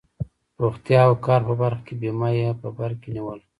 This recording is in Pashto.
روغتیا او کار په برخه کې بیمه یې په بر کې نیوله.